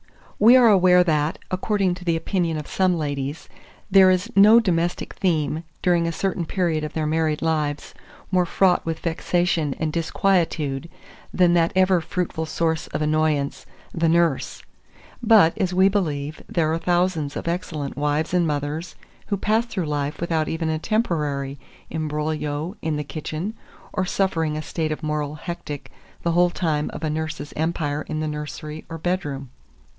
2435. We are aware that, according to the opinion of some ladies, there is no domestic theme, during a certain period of their married lives, more fraught with vexation and disquietude than that ever fruitful source of annoyance, "the Nurse;" but, as we believe, there are thousands of excellent wives and mothers who pass through life without even a temporary embroglio in the kitchen, or suffering a state of moral hectic the whole time of a nurse's empire in the nursery or bedroom.